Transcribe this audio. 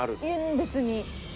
別に。